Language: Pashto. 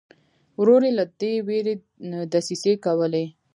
ورور یې له دې وېرې دسیسې کولې.